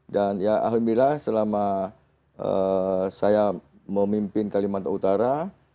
dan ya alhamdulillah selama saya memimpin kalimantan utara